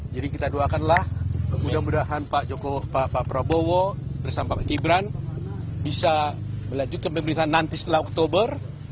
jadi kita doakanlah mudah mudahan pak prabowo bersama pak gibran bisa melanjutkan pemerintahan nanti setelah oktober